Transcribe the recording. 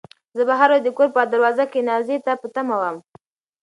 زه به هره ورځ د کور په دروازه کې نازيې ته په تمه وم.